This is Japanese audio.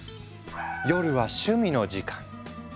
夜は趣味の時間。